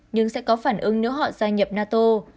nhưng sẽ có phản ứng nếu họ gia nhập nato